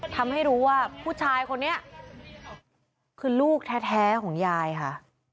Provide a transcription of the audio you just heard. ทำให้รู้ว่าผู้ชายคนนี้คือลูกแท้ของยายค่ะ